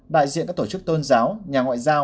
đại diện các tổ chức tôn giáo nhà ngoại giao